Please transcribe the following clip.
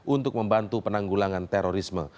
untuk membantu penanggulangan terorisme